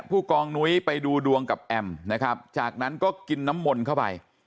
ผู้กองนุ้ยไปดูดวงกับแอมนะครับจากนั้นก็กินน้ำมนต์เข้าไป